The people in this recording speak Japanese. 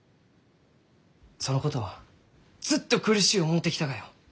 ・そのことをずっと苦しゅう思うてきたがよ！